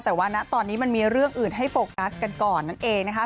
แต่ว่าณตอนนี้มันมีเรื่องอื่นให้โฟกัสกันก่อนนั่นเองนะคะ